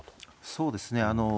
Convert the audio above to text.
そうですね。